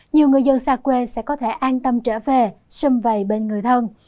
nhiều người dân xa quê sẽ có thể an tâm trở về xâm vầy bên người thân